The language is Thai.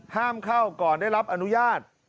ห้ามเข้าก่อนได้รับอนุญาต